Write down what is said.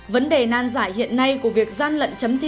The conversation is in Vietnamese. vấn đề nan giải hiện nay của việc gian lận chấm thi